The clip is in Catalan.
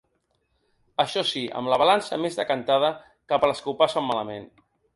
Això sí, amb la balança més decantada cap a les que ho passen malament.